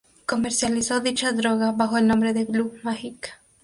Comercializó dicha droga bajo el nombre de "Blue Magic".